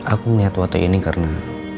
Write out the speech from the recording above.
aku melihat waktu ini karena